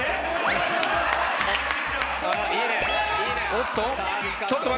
おっと。